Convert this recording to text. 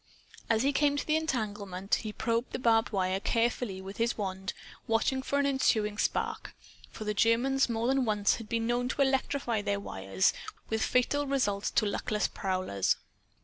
As he came to the entanglement, he probed the barbed wire carefully with his wand, watching for an ensuing spark. For the Germans more than once had been known to electrify their wires, with fatal results to luckless prowlers.